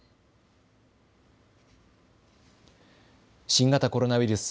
新型コロナウイルス。